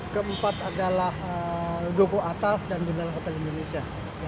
keempat adalah doko atas dan bintang kota indonesia